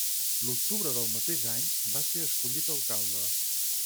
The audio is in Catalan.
L'octubre del mateix any va ser escollit alcalde.